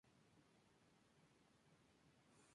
Su hermano menor, Clint Howard, es un reconocido actor.